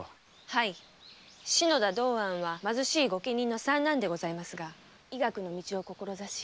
はい篠田道庵は貧しい御家人の三男ですが医学の道を志し